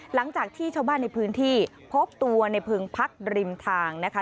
หลังจากที่ชาวบ้านในพื้นที่พบตัวในเพิงพักริมทางนะคะ